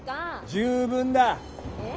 十分だッ。